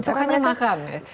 cukupnya makan ya